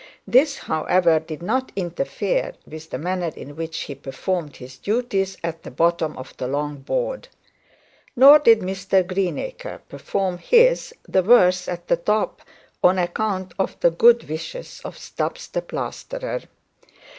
This, however, did not interfere with the manner in which he performed his duties at the bottom of the long board; nor did Mr Greenacre perform his the worse at the top on account of the good wishes of Stubbs the plasterer.